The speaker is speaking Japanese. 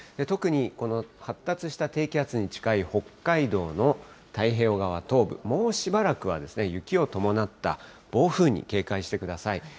特にこの発達した低気圧に近い北海道の太平洋側東部、もうしばらくは、雪を伴った暴風に警戒してください。